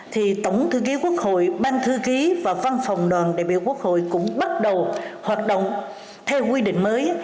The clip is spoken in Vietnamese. thì tổng thư ký quốc hội ban thư ký và văn phòng đoàn đại biểu quốc hội cũng bắt đầu hoạt động theo quy định mới